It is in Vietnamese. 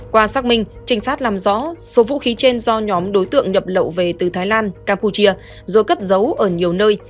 qua xác minh trinh sát làm rõ số vũ khí trên do nhóm đối tượng nhập lậu về từ thái lan campuchia rồi cất giấu ở nhiều nơi